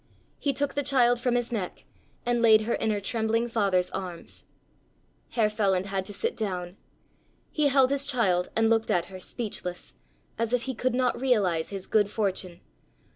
He took the child from his neck and laid her in her trembling father's arms. Herr Feland had to sit down. He held his child and looked at her, speechless, as if he could not realize his good fortune.